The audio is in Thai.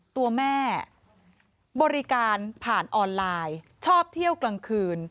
ตัวแม่บริการผ่านออนไลน์ชอบเที่ยวกลางคืน